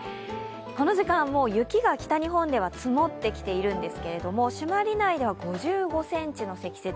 この時間、もう雪が北日本では積もってきているんですけど、朱鞠内では５５ｃｍの積雪。